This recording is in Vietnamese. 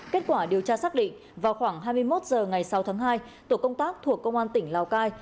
kết quả điều tra xác định vào khoảng hai mươi một h ngày sáu tháng hai tổ công tác thuộc công an tỉnh lào cai